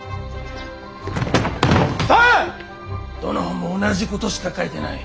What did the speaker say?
くそっどの本も同じことしか書いてない。